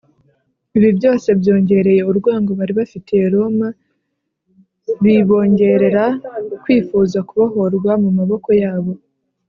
. Ibi byose byongereye urwango bari bafitiye Roma, bibongerera kwifuza kubohorwa mu maboko yabo